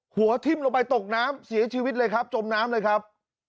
หัวทิ้มลงไปตกน้ำเสียชีวิตเลยครับจมน้ำเลยครับ